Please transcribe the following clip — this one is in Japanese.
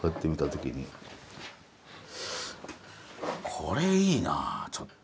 これいいなちょっと。